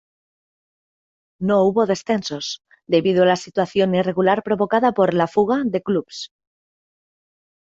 No hubo descensos, debido a la situación irregular provocada por la "fuga" de clubes.